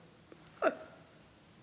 「はい。